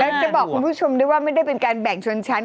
แล้วจะบอกคุณผู้ชมด้วยว่าไม่ได้เป็นการแบ่งชนชั้น